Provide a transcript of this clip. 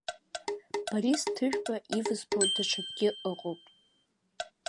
Борис Ҭыжәба ивзбо даҽакгьы ыҟоуп.